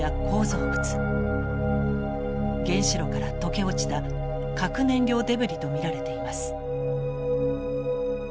原子炉から溶け落ちた核燃料デブリと見られています。